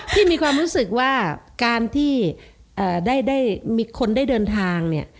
มีความรู้สึกว่าการที่ได้มีคนได้เดินทางเนี่ย